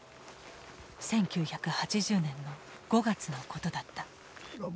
１９８０年の５月のことだった。